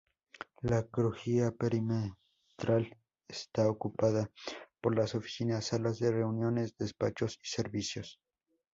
La crujía perimetral está ocupada por las oficinas, salas de reuniones, despachos y servicios.